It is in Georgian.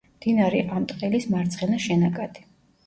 მდინარე ამტყელის მარცხენა შენაკადი.